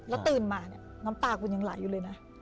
แล้วตื่นมาเนี่ยน้ำตาคุณยังไหลอยู่เลยนะ